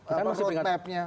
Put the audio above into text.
kita kan masih peringatan